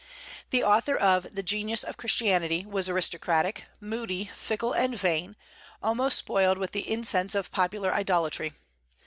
The author of the "Genius of Christianity" was aristocratic, moody, fickle, and vain, almost spoiled with the incense of popular idolatry.